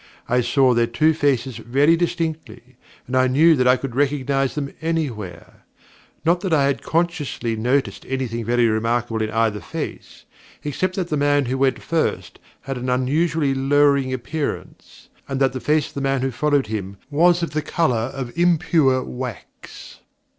I saw their two faces very distinctly, and I knew that I could recognize them anywhere. Not that I had consciously noticed anything very remarkable in either face, except that the man who went first had an unusually lowering appearance, and that the face of the man who followed him was of the colour of impure wax.